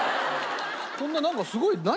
こんななんかすごい何？